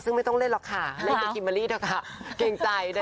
ซึ่งไม่ต้องเล่นหรอกค่ะเล่นแบบฯิลมารีเสีย